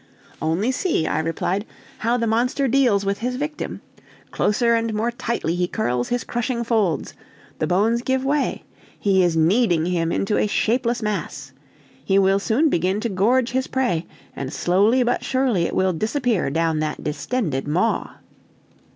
"Only see," I replied, "how the monster deals with his victim; closer and more tightly he curls his crushing folds, the bones give way, he is kneading him into a shapeless mass. He will soon begin to gorge his prey, and slowly but surely it will disappear down that distended maw!"